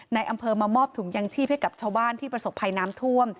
ในอำเภอมามอบถุงยังชีพให้กับชาวบ้านที่ประสบภัยน้ำท่วม